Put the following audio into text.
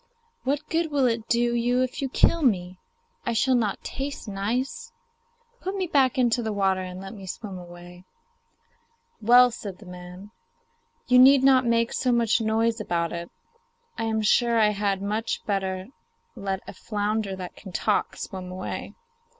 What good will it do you if you kill me I shall not taste nice? Put me back into the water and let me swim away.' 'Well,' said the man, 'you need not make so much noise about it; I am sure I had much better let a flounder that can talk swim away.